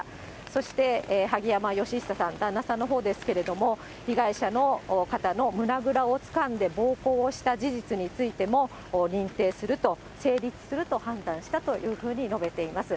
そして萩山嘉久さん、旦那さんのほうですけれども、被害者の方の胸倉をつかんで暴行をした事実についても、認定すると、成立すると判断したというふうに述べています。